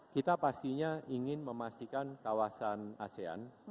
kita pastinya ingin memastikan kawasan asean